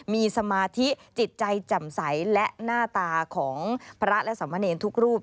มีสมาธิจิตใจแจ่มใสและหน้าตาของพระและสมเนรทุกรูป